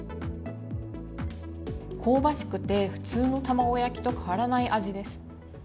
香ばしくて普通の卵焼きと変わらない味です。